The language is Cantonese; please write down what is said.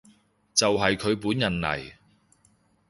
就係佢本人嚟